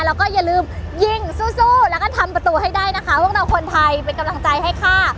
แล้วก็อย่าลืมยิงสู้แล้วก็ทำประตูให้ได้นะคะพวกเราคนไทยเป็นกำลังใจให้ค่ะ